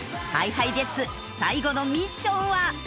ＨｉＨｉＪｅｔｓ最後のミッションは？何？